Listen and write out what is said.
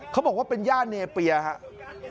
เขาบอกว่าเป็นย่าเนเปียครับ